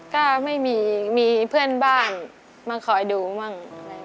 ก็ไม่มีมีเพื่อนบ้านมาคอยดูมั่ง